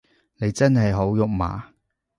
你真係好肉麻